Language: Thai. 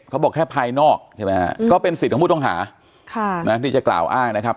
เขาบอกแค่ภายนอกก็เป็นสิทธิ์ของผู้ท่องหาที่จะกล่าวอ้างนะครับ